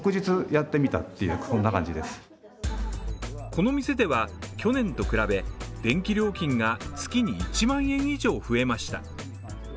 この店では去年と比べ電気料金が月に１万円以上増えました。